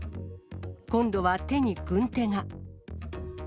今度は手に軍手が。